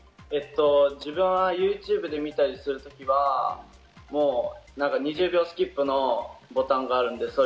自分はＹｏｕＴｕｂｅで見たりするときは２０秒スキップのボタンがあるんです。